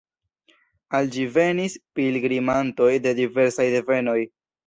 Al ĝi venis pilgrimantoj de diversaj devenoj.